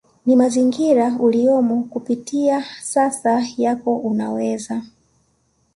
ni mazingira uliyomo Kupitia sasa yako unaweza